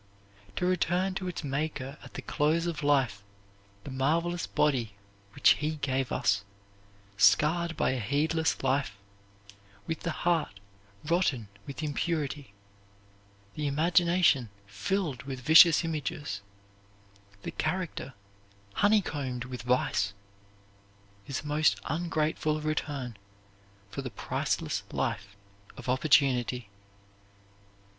To return to its Maker at the close of life the marvelous body which He gave us, scarred by a heedless life, with the heart rotten with impurity, the imagination filled with vicious images, the character honeycombed with vice, is a most ungrateful return for the priceless life of opportunity.